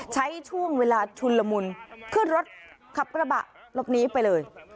ใช้ช่วงเวลาชุนละมุนขึ้นรถขับกระบะลบนี้ไปเลย